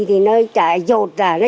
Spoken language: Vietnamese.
thì nó chạy dột ra này